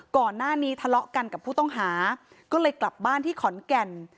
ก่อนหน้านี้ทะเลาะกันกับผู้ต้องหาก็เลยกลับบ้านที่ขอนแก่น